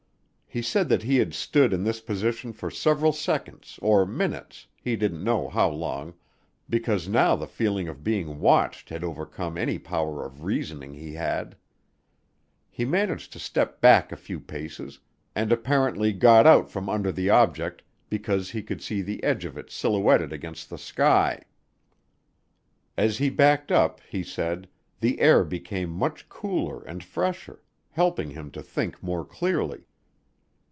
He said that he had stood in this position for several seconds, or minutes he didn't know how long because now the feeling of being watched had overcome any power of reasoning he had. He managed to step back a few paces, and apparently got out from under the object, because he could see the edge of it silhouetted against the sky. As he backed up, he said, the air became much cooler and fresher, helping him to think more clearly.